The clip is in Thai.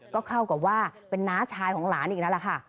ก็เข้ากับว่าเป็นน้าชายของหลานอีกนั่นแหละค่ะ